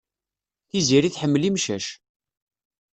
Tiziri tḥemmel imcac.